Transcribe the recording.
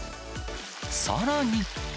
さらに。